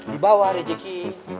di bawah rezeki